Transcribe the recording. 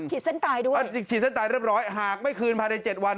เส้นตายด้วยขีดเส้นตายเรียบร้อยหากไม่คืนภายใน๗วัน